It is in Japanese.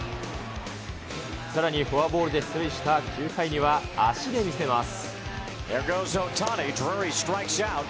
さらにフォアボールで出塁した９回には、足で見せます。